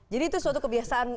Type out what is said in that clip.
jadi itu suatu kebiasaan